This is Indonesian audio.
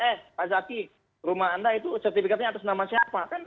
eh pak zaki rumah anda itu sertifikatnya atas nama siapa